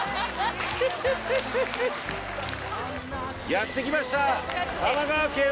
やって来ました！